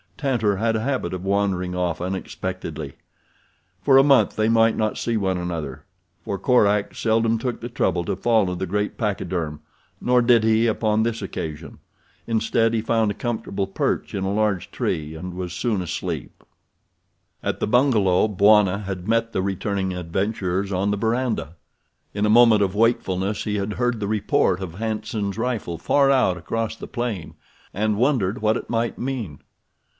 Tantor had a habit of wandering off unexpectedly. For a month they might not see one another, for Korak seldom took the trouble to follow the great pachyderm, nor did he upon this occasion. Instead he found a comfortable perch in a large tree and was soon asleep. At the bungalow Bwana had met the returning adventurers on the verandah. In a moment of wakefulness he had heard the report of Hanson's rifle far out across the plain, and wondered what it might mean.